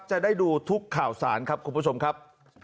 จะได้ดูทุกข่าวสารครับคุณผู้ชมครับ